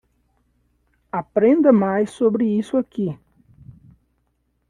Aprenda mais sobre isso aqui.